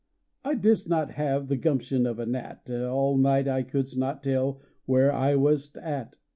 I didst not have the gumption of a gnat. All night I couldst not tell where I wast at.